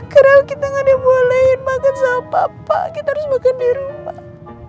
karena kita gak dibolehin makan sama papa kita harus makan di rumah